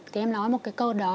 thì em nói một câu đó